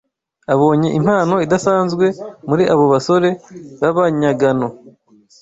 Abonye impano idasanzwe muri aba basore b’abanyagano